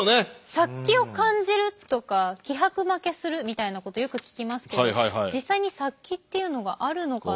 「殺気を感じる」とか「気迫負けする」みたいなことをよく聞きますけど実際に殺気っていうのがあるのかな？